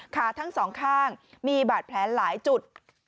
ขาทั้งสองข้างมีบาดแผลหลายจุด